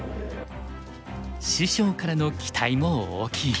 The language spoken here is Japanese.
師匠からの期待も大きい。